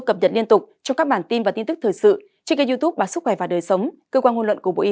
cảm ơn các bạn đã theo dõi và hẹn gặp lại